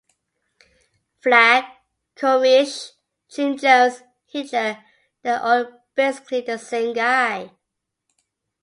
Flagg, Koresh, Jim Jones, Hitler-they're all basically the same guy.